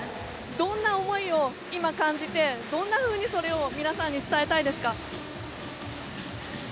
どんな思いを今、感じてどんなふうにそれを皆さんに伝えたいですか？